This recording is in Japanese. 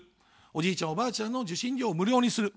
おじいちゃん、おばあちゃんの受信料を無料にする。